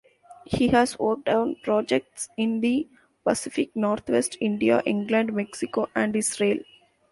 He has worked on projects in the Pacific Northwest, India, England, Mexico and Israel.